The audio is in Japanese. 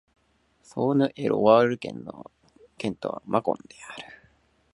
ソーヌ＝エ＝ロワール県の県都はマコンである